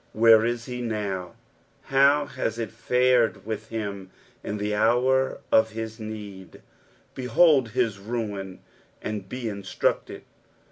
Where is he now t How hu it fared with him in the hour of his need t Bebold bis ruin, snd be inatructed.